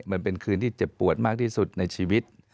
มันเป็นคืนที่เจ็บปวดมากที่สุดในชีวิต